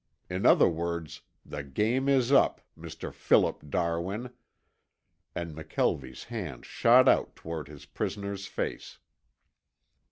In other words, the game is up Mr. Philip Darwin!" and McKelvie's hand shot out toward his prisoner's face.